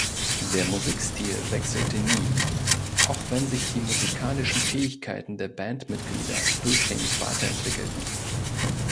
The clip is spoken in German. Der Musikstil wechselte nie, auch wenn sich die musikalischen Fähigkeiten der Bandmitglieder durchgängig weiterentwickelten.